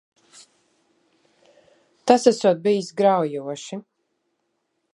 Tas esot bijis graujoši.